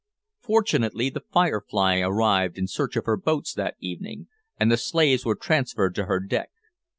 Fortunately the `Firefly' arrived in search of her boats that evening, and the slaves were transferred to her deck.